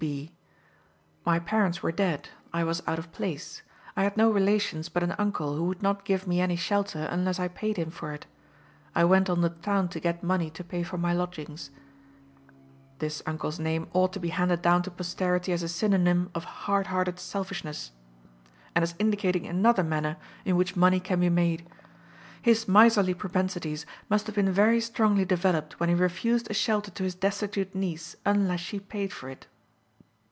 C. B.: "My parents were dead. I was out of place. I had no relations but an uncle, who would not give me any shelter unless I paid him for it. I went on the town to get money to pay for my lodgings." This uncle's name ought to be handed down to posterity as a synonym of hard hearted selfishness, and as indicating another manner in which money can be made. His miserly propensities must have been very strongly developed when he refused a shelter to his destitute niece unless she paid for it.